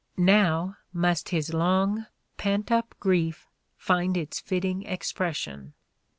Now must his long pent up grief find its fitting expression.